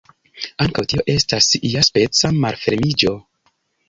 Ankaŭ tio estas iaspeca malfermiĝo.